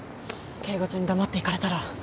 警護中に黙って行かれたら。